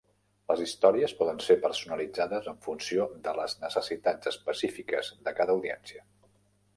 Les històries poden ser personalitzades en funció de les necessitats específiques de cada audiència.